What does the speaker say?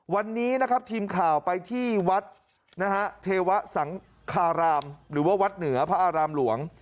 วันนี้นะครับทีมข่าวไปที่วัดนะฮะเทวะสังคารามหรือว่าวัดเหนือพระอารามหลวง